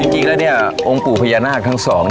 จริงแล้วองค์ปู่พญานาคทั้งสอง